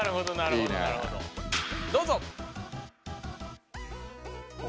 どうぞ。